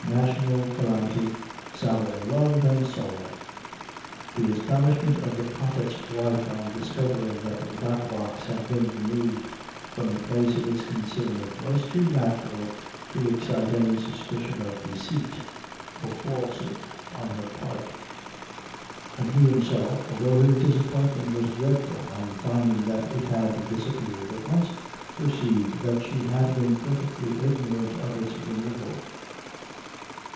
National Calamity Sarah in Love and Sorrow. The astonishment of the Prophet's wife on discovering that the Tobacco box had been removed from the place of its concealment was too natural to excite any suspicion of deceit or falsehood on her part, and he himself, although his disappointment was dreadful on finding that it had disappeared, at once perceived that she had been perfectly ignorant of its removal.